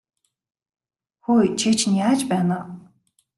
Хөөе чи чинь яаж байна аа?